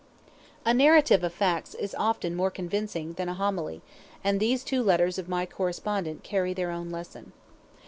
A narrative of facts is often more convincing than a homily; and these two letters of my correspondent carry their own lesson.